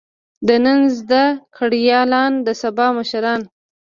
د نن زده کړيالان د سبا مشران.